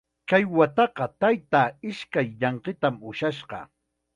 Kay wataqa taytaa ishkay llanqitam ushashqa.